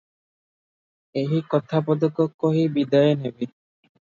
ଏହି କଥା ପଦକ କହି ବିଦାୟ ନେବି ।